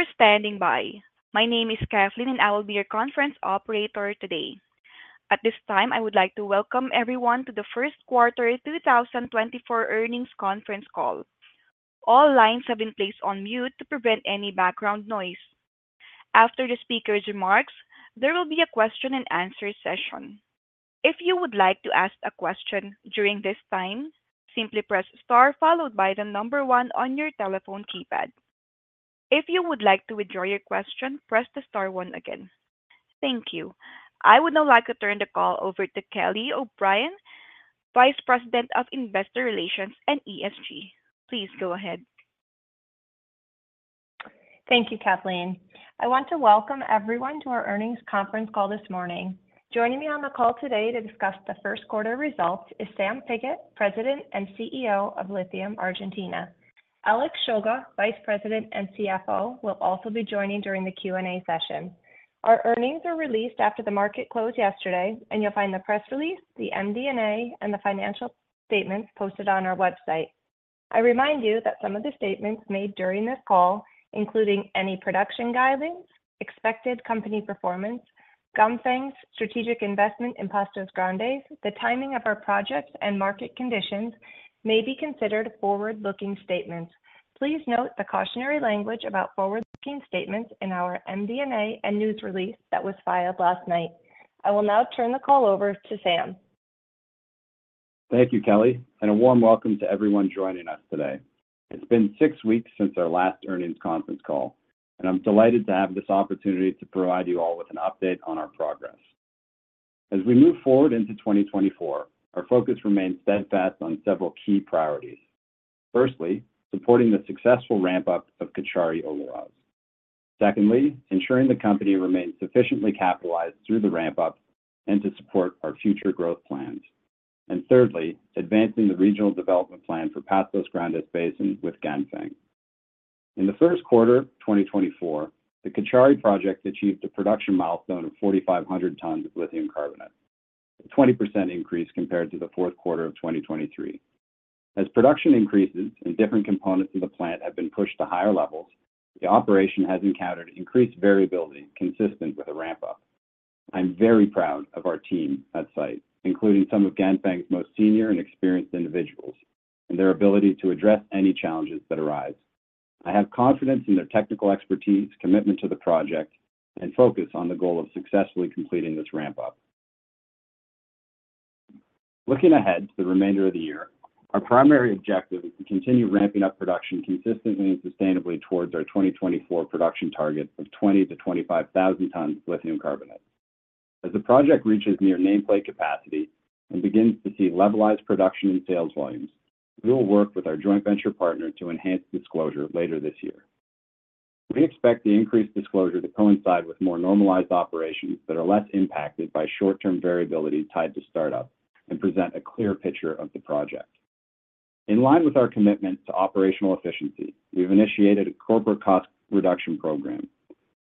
Thank you for standing by. My name is Kathleen and I will be your conference operator today. At this time I would like to welcome everyone to the first quarter 2024 earnings conference call. All lines have been placed on mute to prevent any background noise. After the speaker's remarks, there will be a question-and-answer session. If you would like to ask a question during this time, simply press star followed by the number one on your telephone keypad. If you would like to withdraw your question, press the star one again. Thank you. I would now like to turn the call over to Kelly O'Brien, Vice President of Investor Relations and ESG. Please go ahead. Thank you, Kathleen. I want to welcome everyone to our earnings conference call this morning. Joining me on the call today to discuss the first quarter results is Sam Pigott, President and CEO of Lithium Argentina. Alex Shulga, Vice President and CFO, will also be joining during the Q&A session. Our earnings are released after the market closed yesterday, and you'll find the press release, the MD&A, and the financial statements posted on our website. I remind you that some of the statements made during this call, including any production guidelines, expected company performance, ongoing things, strategic investments, Pastos Grandes, the timing of our projects, and market conditions, may be considered forward-looking statements. Please note the cautionary language about forward-looking statements in our MD&A and news release that was filed last night. I will now turn the call over to Sam. Thank you, Kelly, and a warm welcome to everyone joining us today. It's been six weeks since our last earnings conference call, and I'm delighted to have this opportunity to provide you all with an update on our progress. As we move forward into 2024, our focus remains steadfast on several key priorities. Firstly, supporting the successful ramp-up of Cauchari-Olaroz. Secondly, ensuring the company remains sufficiently capitalized through the ramp-up and to support our future growth plans. And thirdly, advancing the regional development plan for Pastos Grandes Basin with Ganfeng. In the first quarter 2024, the Cauchari-Olaroz project achieved a production milestone of 4,500 tons of lithium carbonate, a 20% increase compared to the fourth quarter of 2023. As production increases and different components of the plant have been pushed to higher levels, the operation has encountered increased variability consistent with a ramp-up. I'm very proud of our team at site, including some of Ganfeng's most senior and experienced individuals, and their ability to address any challenges that arise. I have confidence in their technical expertise, commitment to the project, and focus on the goal of successfully completing this ramp-up. Looking ahead to the remainder of the year, our primary objective is to continue ramping up production consistently and sustainably towards our 2024 production target of 20,000-25,000 tons of lithium carbonate. As the project reaches near nameplate capacity and begins to see levelized production and sales volumes, we will work with our joint venture partner to enhance disclosure later this year. We expect the increased disclosure to coincide with more normalized operations that are less impacted by short-term variability tied to startup and present a clear picture of the project. In line with our commitment to operational efficiency, we've initiated a corporate cost reduction program.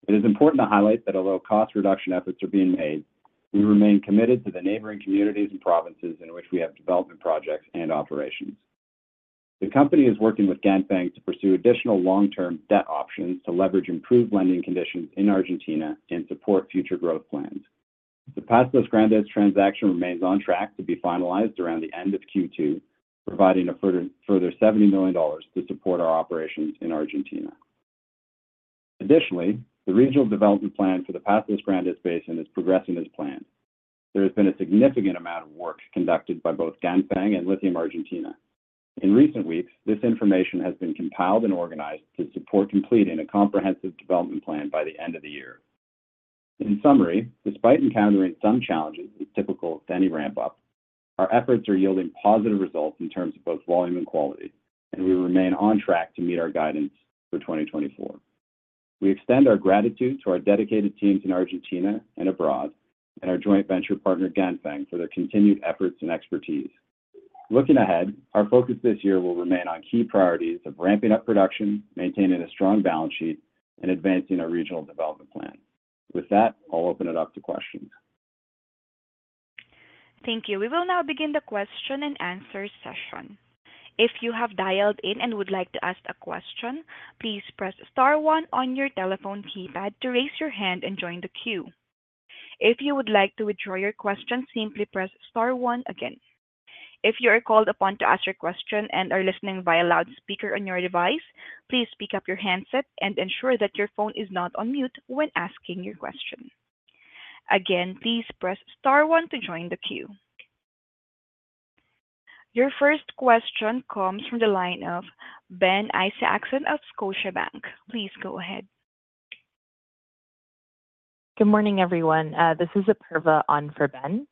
It is important to highlight that although cost reduction efforts are being made, we remain committed to the neighboring communities and provinces in which we have development projects and operations. The company is working with Ganfeng to pursue additional long-term debt options to leverage improved lending conditions in Argentina and support future growth plans. The Pastos Grandes transaction remains on track to be finalized around the end of Q2, providing a further $70 million to support our operations in Argentina. Additionally, the regional development plan for the Pastos Grandes Basin is progressing as planned. There has been a significant amount of work conducted by both Ganfeng and Lithium Argentina. In recent weeks, this information has been compiled and organized to support completing a comprehensive development plan by the end of the year. In summary, despite encountering some challenges as typical of any ramp-up, our efforts are yielding positive results in terms of both volume and quality, and we remain on track to meet our guidance for 2024. We extend our gratitude to our dedicated teams in Argentina and abroad, and our joint venture partner Ganfeng for their continued efforts and expertise. Looking ahead, our focus this year will remain on key priorities of ramping up production, maintaining a strong balance sheet, and advancing our regional development plan. With that, I'll open it up to questions. Thank you. We will now begin the question-and-answer session. If you have dialed in and would like to ask a question, please press star one on your telephone keypad to raise your hand and join the queue. If you would like to withdraw your question, simply press star one again. If you are called upon to ask your question and are listening via loudspeaker on your device, please pick up your handset and ensure that your phone is not on mute when asking your question. Again, please press star one to join the queue. Your first question comes from the line of Ben Isaacson of Scotiabank. Please go ahead. Good morning, everyone. This is Apurva on for Ben.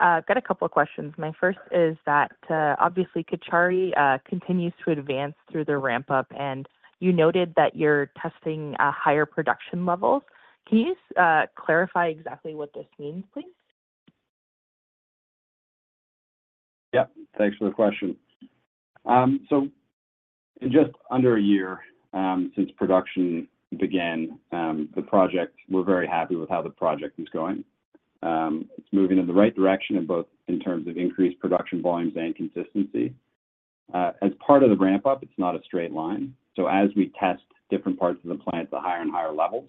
I've got a couple of questions. My first is that, obviously, Cauchari continues to advance through their ramp-up, and you noted that you're testing higher production levels. Can you clarify exactly what this means, please? Yep. Thanks for the question. So in just under a year since production began, we're very happy with how the project is going. It's moving in the right direction, both in terms of increased production volumes and consistency. As part of the ramp-up, it's not a straight line. So as we test different parts of the plant at higher and higher levels,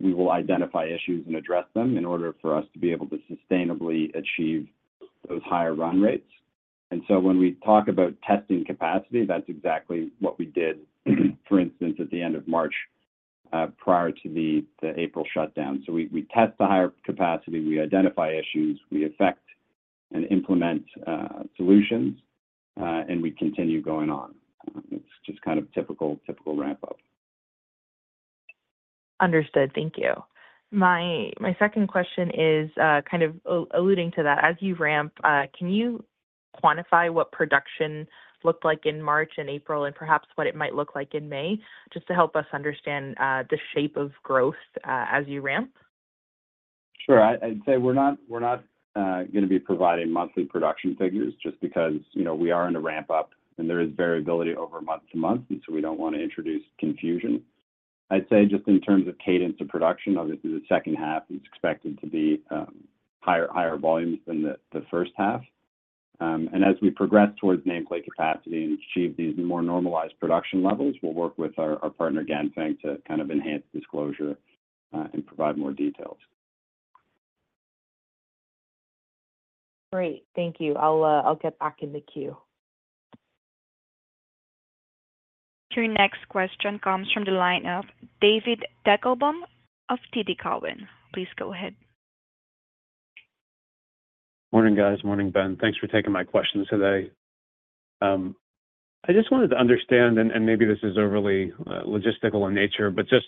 we will identify issues and address them in order for us to be able to sustainably achieve those higher run rates. And so when we talk about testing capacity, that's exactly what we did, for instance, at the end of March prior to the April shutdown. So we test the higher capacity, we identify issues, we effect and implement solutions, and we continue going on. It's just kind of typical ramp-up. Understood. Thank you. My second question is kind of alluding to that. As you ramp, can you quantify what production looked like in March and April and perhaps what it might look like in May, just to help us understand the shape of growth as you ramp? Sure. I'd say we're not going to be providing monthly production figures just because we are in a ramp-up and there is variability over month to month, and so we don't want to introduce confusion. I'd say just in terms of cadence of production, obviously, the second half is expected to be higher volumes than the first half. As we progress towards nameplate capacity and achieve these more normalized production levels, we'll work with our partner Ganfeng to kind of enhance disclosure and provide more details. Great. Thank you. I'll get back in the queue. Your next question comes from the line of David Deckelbaum of TD Cowen. Please go ahead. Morning, guys. Morning, Ben. Thanks for taking my questions today. I just wanted to understand, and maybe this is overly logistical in nature, but just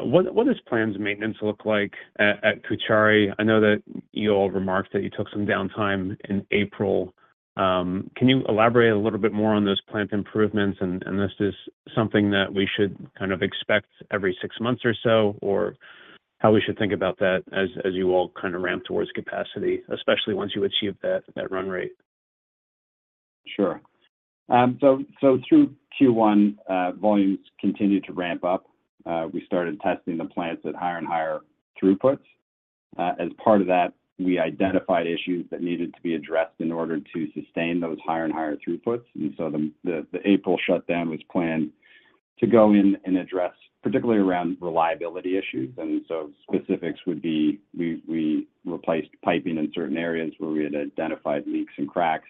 what does plant maintenance look like at Cauchari? I know that you all remarked that you took some downtime in April. Can you elaborate a little bit more on those plant improvements? And this is something that we should kind of expect every six months or so, or how we should think about that as you all kind of ramp towards capacity, especially once you achieve that run rate? Sure. So through Q1, volumes continued to ramp up. We started testing the plants at higher and higher throughputs. As part of that, we identified issues that needed to be addressed in order to sustain those higher and higher throughputs. And so the April shutdown was planned to go in and address particularly around reliability issues. And so specifics would be we replaced piping in certain areas where we had identified leaks and cracks.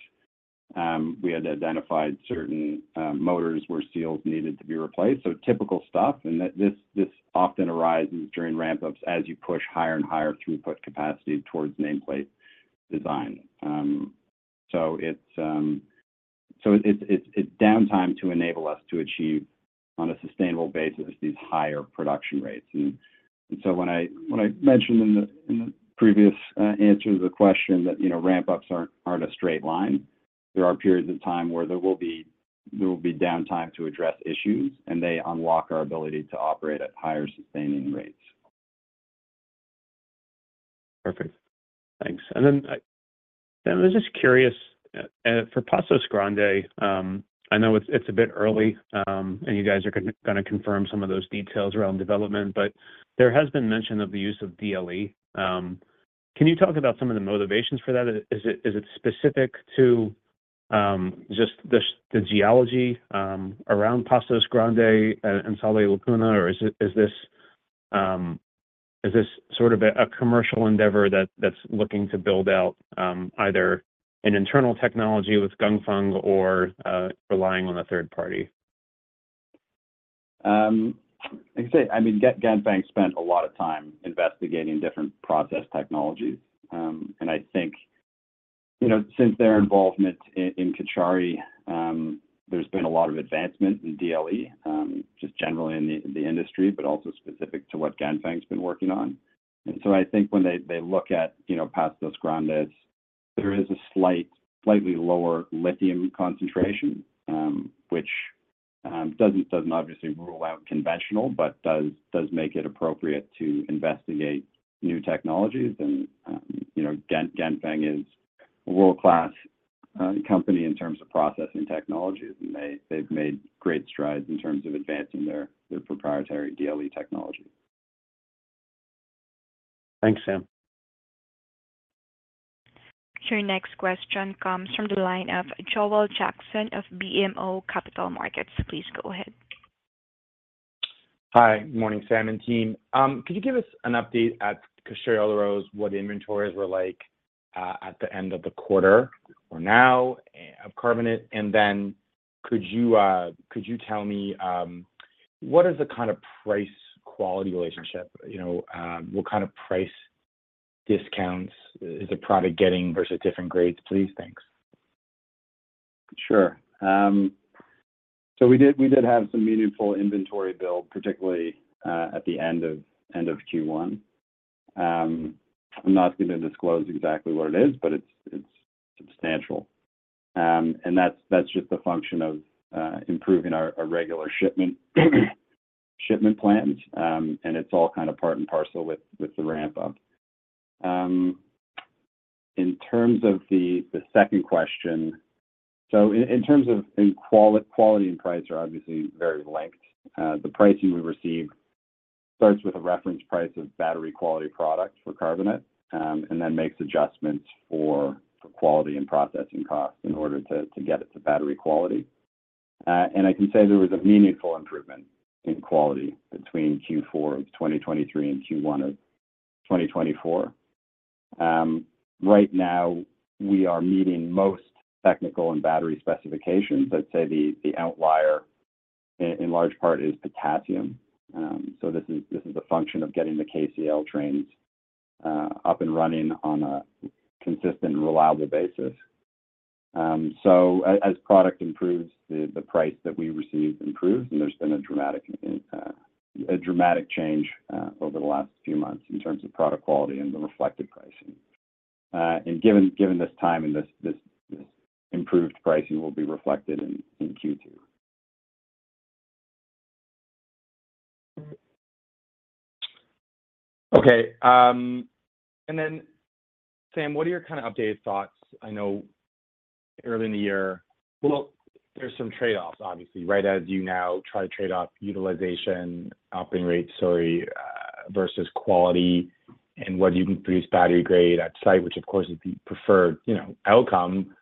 We had identified certain motors where seals needed to be replaced. So typical stuff. And this often arises during ramp-ups as you push higher and higher throughput capacity towards nameplate design. So it's downtime to enable us to achieve, on a sustainable basis, these higher production rates. And so when I mentioned in the previous answer to the question that ramp-ups aren't a straight line, there are periods of time where there will be downtime to address issues, and they unlock our ability to operate at higher sustaining rates. Perfect. Thanks. And then I was just curious, for Pastos Grandes, I know it's a bit early, and you guys are going to confirm some of those details around development, but there has been mention of the use of DLE. Can you talk about some of the motivations for that? Is it specific to just the geology around Pastos Grandes and Sal de la Puna, or is this sort of a commercial endeavor that's looking to build out either an internal technology with Ganfeng or relying on a third party? Like I said, I mean, Ganfeng spent a lot of time investigating different process technologies. And I think since their involvement in Cauchari, there's been a lot of advancement in DLE, just generally in the industry, but also specific to what Ganfeng's been working on. And so I think when they look at Pastos Grandes, there is a slightly lower lithium concentration, which doesn't obviously rule out conventional, but does make it appropriate to investigate new technologies. And Ganfeng is a world-class company in terms of processing technologies, and they've made great strides in terms of advancing their proprietary DLE technology. Thanks, Sam. Your next question comes from the line of Joel Jackson of BMO Capital Markets. Please go ahead. Hi. Good morning, Sam and team. Could you give us an update at Cauchari-Olaroz what inventories were like at the end of the quarter or now of carbonate? And then could you tell me what is the kind of price-quality relationship? What kind of price discounts is a product getting versus different grades, please? Thanks. Sure. So we did have some meaningful inventory build, particularly at the end of Q1. I'm not going to disclose exactly what it is, but it's substantial. And that's just the function of improving our regular shipment plans, and it's all kind of part and parcel with the ramp-up. In terms of the second question, so in terms of quality and price are obviously very linked. The pricing we received starts with a reference price of battery quality product for carbonate and then makes adjustments for quality and processing costs in order to get it to battery quality. And I can say there was a meaningful improvement in quality between Q4 of 2023 and Q1 of 2024. Right now, we are meeting most technical and battery specifications. I'd say the outlier, in large part, is potassium. This is a function of getting the KCL trains up and running on a consistent and reliable basis. As product improves, the price that we received improves, and there's been a dramatic change over the last few months in terms of product quality and the reflected pricing. Given this time and this improved pricing will be reflected in Q2. Okay. And then, Sam, what are your kind of updated thoughts? I know early in the year, well, there's some trade-offs, obviously, right, as you now try to trade off utilization, operating rate, sorry, versus quality, and whether you can produce battery grade at site, which, of course, is the preferred outcome.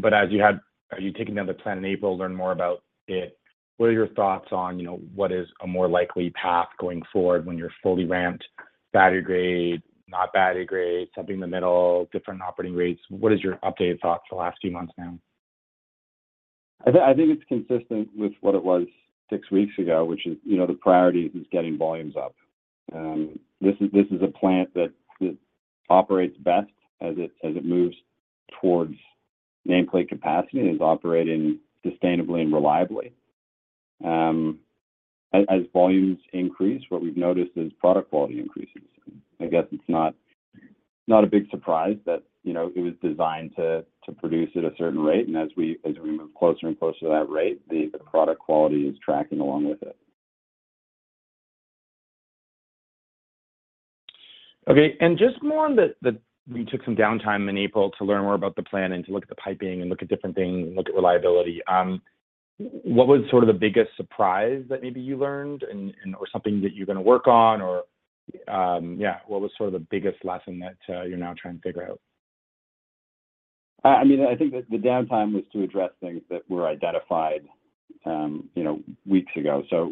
But as you had are you taking down the plant in April, learn more about it? What are your thoughts on what is a more likely path going forward when you're fully ramped, battery grade, not battery grade, something in the middle, different operating rates? What is your updated thoughts the last few months now? I think it's consistent with what it was six weeks ago, which is the priority is getting volumes up. This is a plant that operates best as it moves towards nameplate capacity and is operating sustainably and reliably. As volumes increase, what we've noticed is product quality increases. I guess it's not a big surprise that it was designed to produce at a certain rate. And as we move closer and closer to that rate, the product quality is tracking along with it. Okay. And just more on the we took some downtime in April to learn more about the plant and to look at the piping and look at different things and look at reliability. What was sort of the biggest surprise that maybe you learned or something that you're going to work on? Or yeah, what was sort of the biggest lesson that you're now trying to figure out? I mean, I think the downtime was to address things that were identified weeks ago. So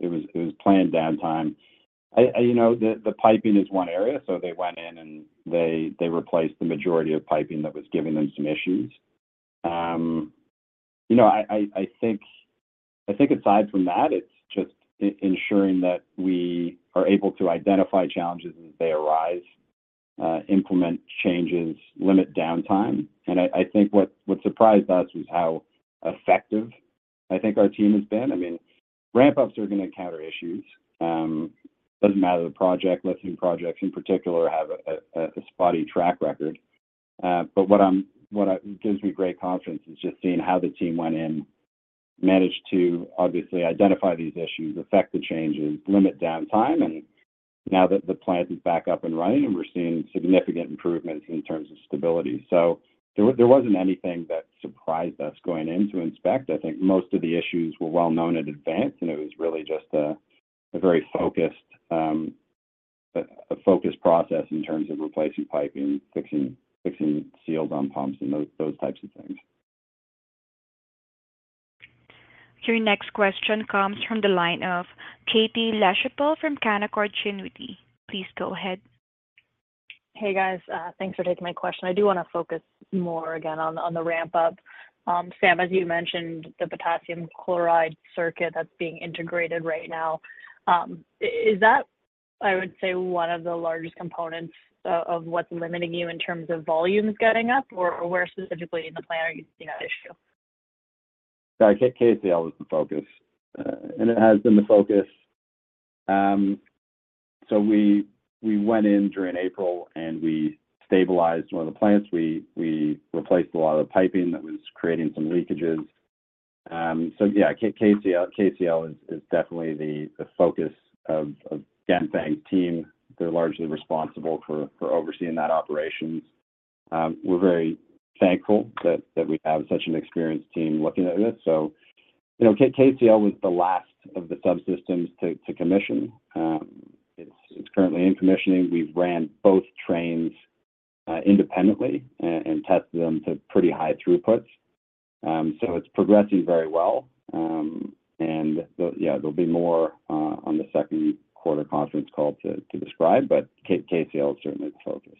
it was planned downtime. The piping is one area, so they went in and they replaced the majority of piping that was giving them some issues. I think aside from that, it's just ensuring that we are able to identify challenges as they arise, implement changes, limit downtime. And I think what surprised us was how effective, I think, our team has been. I mean, ramp-ups are going to encounter issues. It doesn't matter the project. Lithium projects, in particular, have a spotty track record. But what gives me great confidence is just seeing how the team went in, managed to obviously identify these issues, affect the changes, limit downtime. And now that the plant is back up and running and we're seeing significant improvements in terms of stability. There wasn't anything that surprised us going in to inspect. I think most of the issues were well-known in advance, and it was really just a very focused process in terms of replacing piping, fixing seals on pumps, and those types of things. Your next question comes from the line of Katie Lachapelle from Canaccord Genuity. Please go ahead. Hey, guys. Thanks for taking my question. I do want to focus more again on the ramp-up. Sam, as you mentioned, the potassium chloride circuit that's being integrated right now, is that, I would say, one of the largest components of what's limiting you in terms of volumes getting up, or where specifically in the plant are you seeing that issue? Yeah. KCL was the focus. It has been the focus. We went in during April, and we stabilized one of the plants. We replaced a lot of the piping that was creating some leakages. Yeah, KCL is definitely the focus of Ganfeng's team. They're largely responsible for overseeing that operations. We're very thankful that we have such an experienced team looking at this. KCL was the last of the subsystems to commission. It's currently in commissioning. We've ran both trains independently and tested them to pretty high throughputs. It's progressing very well. Yeah, there'll be more on the second quarter conference call to describe, but KCL is certainly the focus.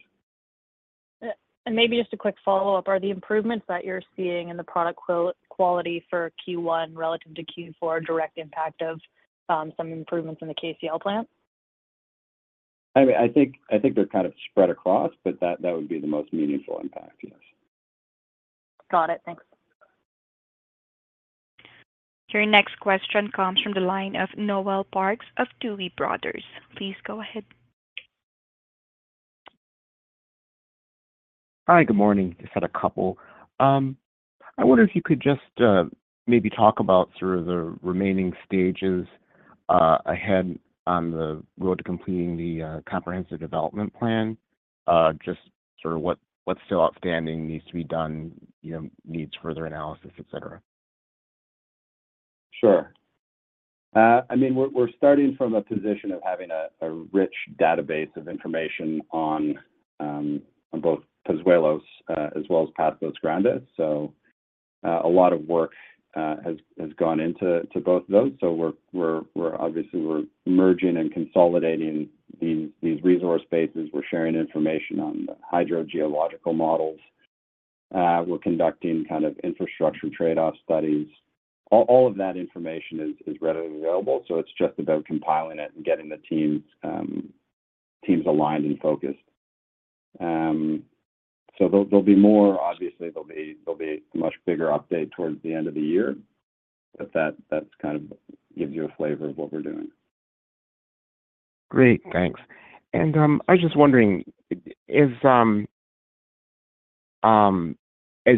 Maybe just a quick follow-up. Are the improvements that you're seeing in the product quality for Q1 relative to Q4 a direct impact of some improvements in the KCL plant? I mean, I think they're kind of spread across, but that would be the most meaningful impact, yes. Got it. Thanks. Your next question comes from the line of Noel Parks of Tuohy Brothers. Please go ahead. Hi. Good morning. Just had a couple. I wonder if you could just maybe talk about sort of the remaining stages ahead on the road to completing the comprehensive development plan, just sort of what's still outstanding, needs to be done, needs further analysis, etc. Sure. I mean, we're starting from a position of having a rich database of information on both Pozuelos as well as Pastos Grandes. So a lot of work has gone into both of those. So obviously, we're merging and consolidating these resource bases. We're sharing information on hydrogeological models. We're conducting kind of infrastructure trade-off studies. All of that information is readily available. So it's just about compiling it and getting the teams aligned and focused. So there'll be more obviously, there'll be a much bigger update towards the end of the year, but that kind of gives you a flavor of what we're doing. Great. Thanks. And I was just wondering, as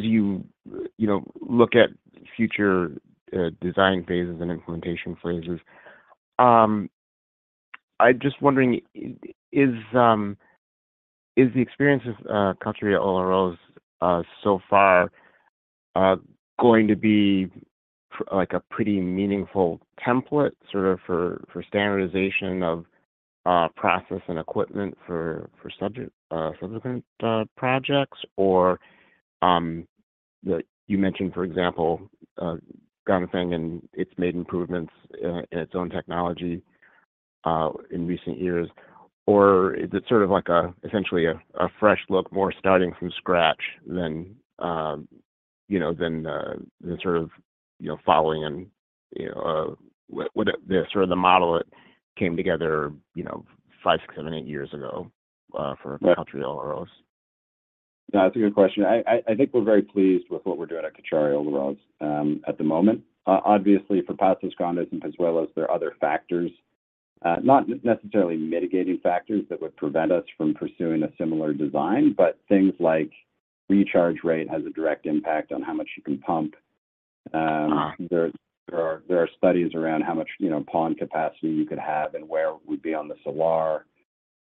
you look at future design phases and implementation phases, I'm just wondering, is the experience of Cauchari-Olaroz so far going to be a pretty meaningful template sort of for standardization of process and equipment for subsequent projects? Or you mentioned, for example, Ganfeng, and it's made improvements in its own technology in recent years. Or is it sort of essentially a fresh look, more starting from scratch than sort of following in sort of the model that came together 5, 6, 7, 8 years ago for Cauchari-Olaroz? Yeah. That's a good question. I think we're very pleased with what we're doing at Cauchari-Olaroz at the moment. Obviously, for Pastos Grandes and Pozuelos, there are other factors, not necessarily mitigating factors that would prevent us from pursuing a similar design, but things like recharge rate has a direct impact on how much you can pump. There are studies around how much pond capacity you could have and where it would be on the salar,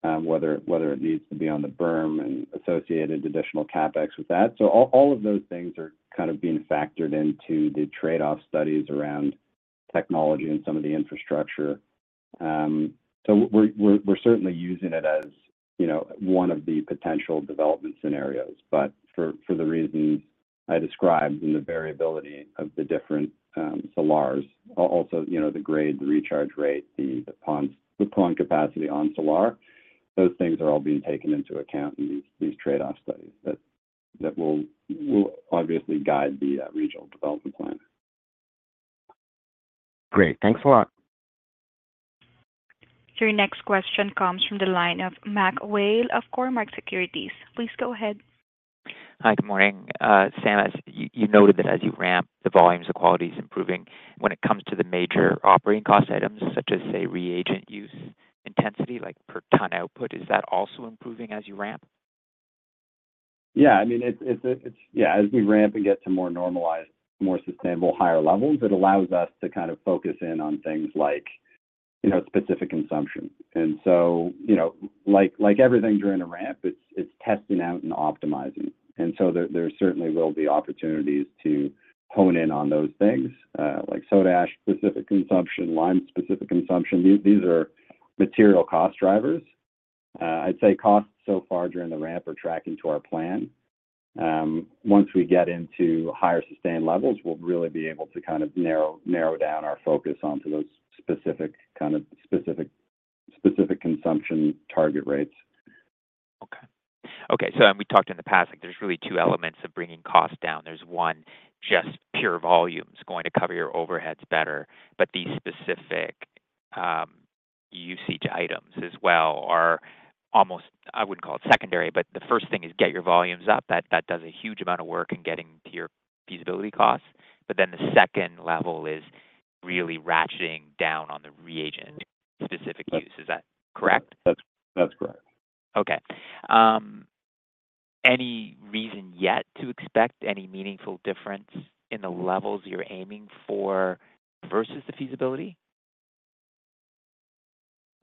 whether it needs to be on the berm and associated additional CapEx with that. So all of those things are kind of being factored into the trade-off studies around technology and some of the infrastructure. So we're certainly using it as one of the potential development scenarios, but for the reasons I described in the variability of the different salars, also the grade, the recharge rate, the pond capacity on salar, those things are all being taken into account in these trade-off studies that will obviously guide the regional development plan. Great. Thanks a lot. Your next question comes from the line of Mac Whale of Cormark Securities. Please go ahead. Hi. Good morning, Sam. As you noted that as you ramp, the volumes of quality is improving. When it comes to the major operating cost items such as, say, reagent use intensity per ton output, is that also improving as you ramp? Yeah. I mean, yeah, as we ramp and get to more normalized, more sustainable, higher levels, it allows us to kind of focus in on things like specific consumption. And so like everything during a ramp, it's testing out and optimizing. And so there certainly will be opportunities to hone in on those things like soda ash-specific consumption, lime-specific consumption. These are material cost drivers. I'd say costs so far during the ramp are tracking to our plan. Once we get into higher sustained levels, we'll really be able to kind of narrow down our focus onto those specific kind of specific consumption target rates. Okay. Okay. So we talked in the past, there's really two elements of bringing costs down. There's one, just pure volumes going to cover your overheads better. But these specific usage items as well are almost I wouldn't call it secondary, but the first thing is get your volumes up. That does a huge amount of work in getting to your feasibility costs. But then the second level is really ratcheting down on the reagent-specific use. Is that correct? That's correct. Okay. Any reason yet to expect any meaningful difference in the levels you're aiming for versus the feasibility?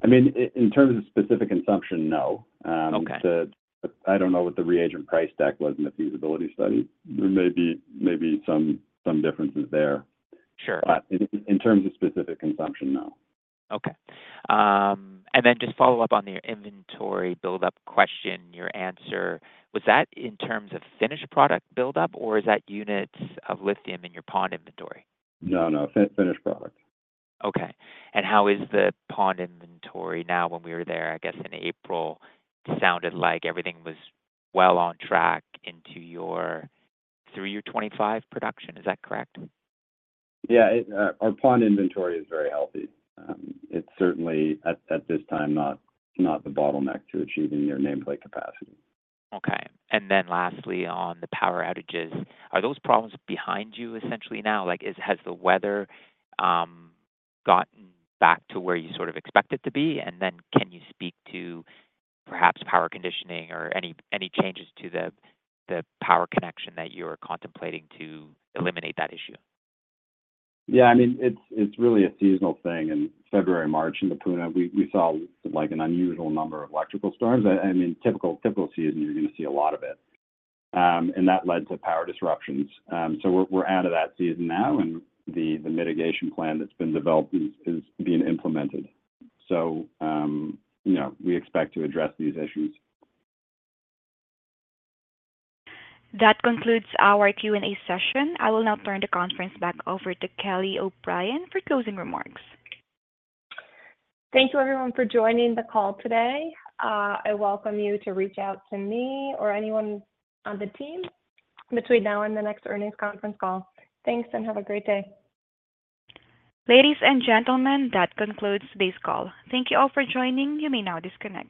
I mean, in terms of specific consumption, no. I don't know what the reagent price deck was in the feasibility study. There may be some differences there. But in terms of specific consumption, no. Okay. And then just follow up on your inventory buildup question, your answer. Was that in terms of finished product buildup, or is that units of lithium in your pond inventory? No, no. Finished product. Okay. How is the pond inventory now? When we were there, I guess, in April, it sounded like everything was well on track into your 325 production. Is that correct? Yeah. Our pond inventory is very healthy. It's certainly, at this time, not the bottleneck to achieving your nameplate capacity. Okay. Lastly, on the power outages, are those problems behind you essentially now? Has the weather gotten back to where you sort of expect it to be? Can you speak to perhaps power conditioning or any changes to the power connection that you're contemplating to eliminate that issue? Yeah. I mean, it's really a seasonal thing. In February, March, in the Puna, we saw an unusual number of electrical storms. I mean, typical season, you're going to see a lot of it. And that led to power disruptions. So we're out of that season now, and the mitigation plan that's been developed is being implemented. So we expect to address these issues. That concludes our Q&A session. I will now turn the conference back over to Kelly O'Brien for closing remarks. Thank you, everyone, for joining the call today. I welcome you to reach out to me or anyone on the team between now and the next earnings conference call. Thanks, and have a great day. Ladies and gentlemen, that concludes today's call. Thank you all for joining. You may now disconnect.